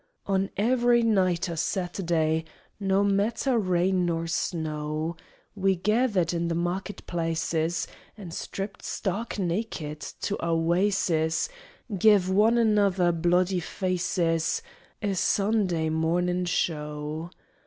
On ivery night o' Saturday, Noa matter raain nor snow, We gethered in the market plaaces, An' stripped stark naked to our waas'es, Gev' one another bloody faaces A Sunday mornin' show!